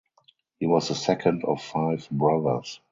He was the second of five brothers.